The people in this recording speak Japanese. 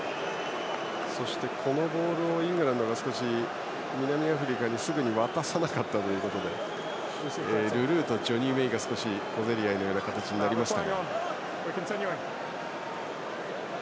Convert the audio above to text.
そして、このボールをイングランドが南アフリカにすぐに渡さなかったということでルルーとジョニー・メイが小競り合いのようになりました。